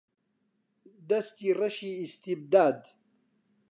دەستی ڕەشی ئیستیبداد